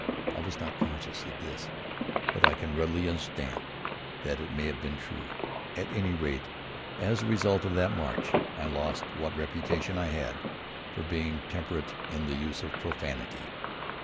I was not conscious of this, but I can readily understand that it may have been true. At any rate, as a result of that march, I lost what reputation I had for being temperate in the use of profanity.